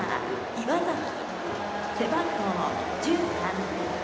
岩崎背番号１３